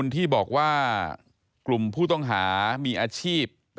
ก็มีการออกรูปรวมปัญญาหลักฐานออกมาจับได้ทั้งหมด